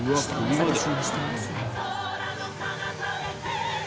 私もしてますね。